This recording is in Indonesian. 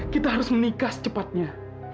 kita harus menikah secepatnya